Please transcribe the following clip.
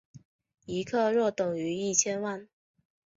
一克若等于一千万。